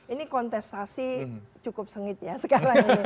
ini kontestasi cukup sengit ya sekarang ini